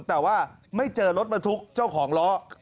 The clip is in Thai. แต่ว่าไม่เจอรถบรรทุกเจ้าของล้อ